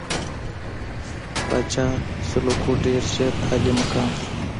پاچا سلوکو ډېر ژر عالي مقام شو.